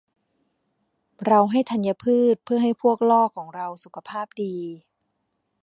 เราให้ธัญพืชเพื่อให้พวกล่อของเราสุขภาพดี